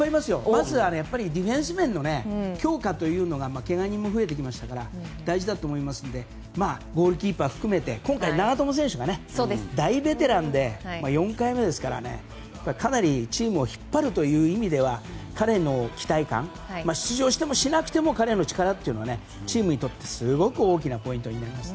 まずはディフェンス面の強化というのがけが人も増えてきましたから大事だと思いますのでゴールキーパー含めて今回、長友選手が大ベテランで４回目ですからかなりチームを引っ張るという意味では彼の期待感出場してもしなくても彼の力というのはチームにとってすごく大きなポイントになります。